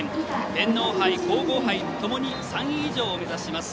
天皇杯、皇后杯ともに３位以上を目指します。